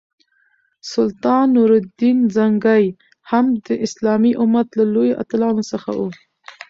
سلطان نور الدین زنګي هم د اسلامي امت له لویو اتلانو څخه وو.